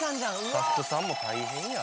スタッフさんも大変や。